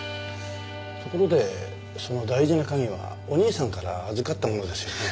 ところでその大事な鍵はお兄さんから預かったものですよね？